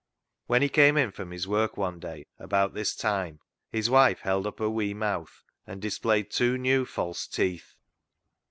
When he came in from his work one day about this time his wife held up her wee mouth and displayed two new false teeth.